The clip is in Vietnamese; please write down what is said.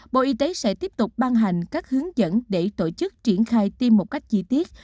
bộ y tế sẽ tiếp tục ban hành các hướng dẫn để tổ chức triển khai tiêm một cách chi tiết